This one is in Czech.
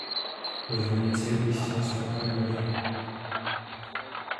Ve zvonici je umístěna socha Panny Marie.